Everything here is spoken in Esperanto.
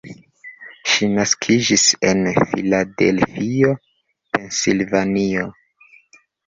Ŝi naskiĝis en Filadelfio, Pensilvanio.